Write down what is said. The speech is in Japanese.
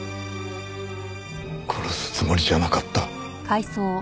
殺すつもりじゃなかった。